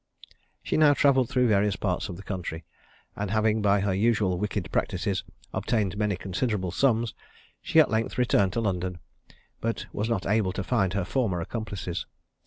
She now travelled through various parts of the country; and having by her usual wicked practices obtained many considerable sums, she at length returned to London, but was not able to find her former accomplices.